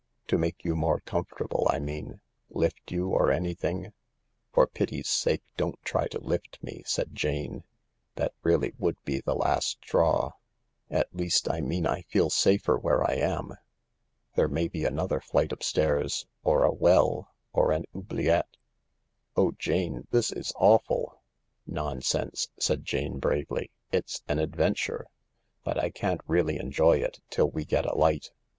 To make you more comfortable, I mean— lift you, or anything ?"" For pity's sake don't try to lift me," said Jane ;" that I really would be the last straw. At least, I mean I feel safer where I am. There may be another flight of stairs, or a well, or an oubliette." "Oh, Jane— this is awful !"" Nonsense !" said Jane bravely. " It's an adventure ; but I can't really enjoy it till we get a light.